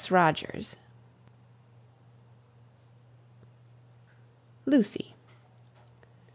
ROGERS. LUCY.